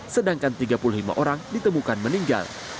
sedangkan tiga puluh lima orang ditemukan meninggal